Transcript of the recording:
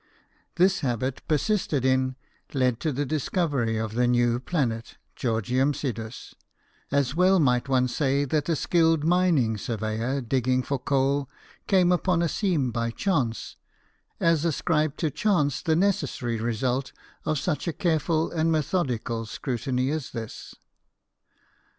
This habit, persisted in, led to the discovery of the new planet (Georgium Sidus}" As well might one say that a skilled mining surveyor, digging for coal, came upon the seam by chance, as ascribe to chance the necessary result of such a careful and methodical scrutiny as this.